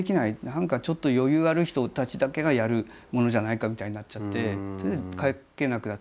何かちょっと余裕ある人たちだけがやるものじゃないかみたいになっちゃってそれで描けなくなったんだよね。